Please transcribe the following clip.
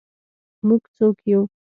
موږ څوک یو؟